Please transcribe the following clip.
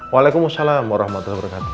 waalaikumsalam warahmatullahi wabarakatuh